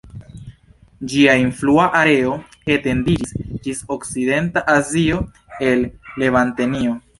Ĝia influa areo etendiĝis ĝis Okcidenta Azio en Levantenio.